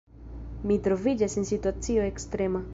Mi troviĝas en situacio ekstrema.